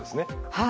はい。